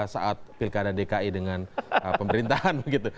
saat pk dan dki dengan pemerintahan begitu